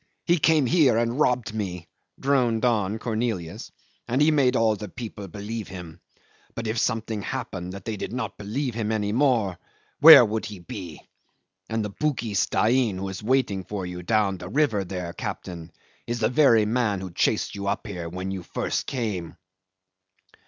He came here and robbed me," droned on Cornelius, "and he made all the people believe him. But if something happened that they did not believe him any more, where would he be? And the Bugis Dain who is waiting for you down the river there, captain, is the very man who chased you up here when you first came."